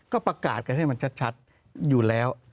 ก็ประกาศกันให้มันชัดอยู่แล้ว